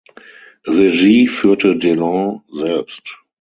Regie führte Delon selbst.